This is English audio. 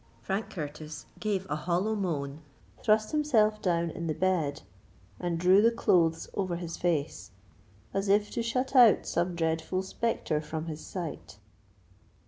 Frank Curtis gave a hollow moan, thrust himself down in the bed, and drew the clothes over his face, as if to shut out some dreadful spectre from his sight.